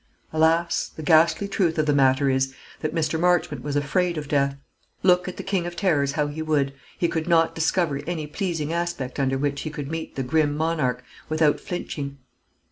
Alas! the ghastly truth of the matter is that Mr. Marchmont was afraid of death. Look at the King of Terrors how he would, he could not discover any pleasing aspect under which he could meet the grim monarch without flinching.